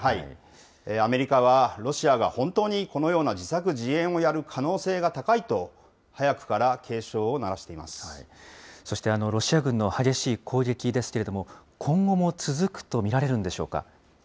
アメリカはロシアが本当にこのような自作自演をやる可能性が高いと、早くから警鐘を鳴らしてそしてロシア軍の激しい攻撃ですけれども、今後も続くと見られるんでしょうか。